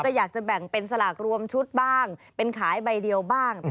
ก็อยากจะแบ่งเป็นสลากรวมชุดบ้างเป็นขายใบเดียวบ้าง